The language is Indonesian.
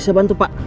saya bantu pak